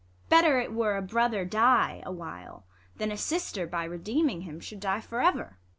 Better it were a brother die a while, Than a sister, by redeeming him, Should die for ever.